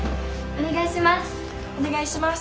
お願いします。